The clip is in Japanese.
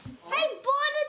ボールだ！